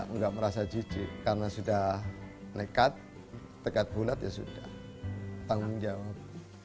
nggak merasa jijik karena sudah nekat tekat bulat ya sudah tanggung jawab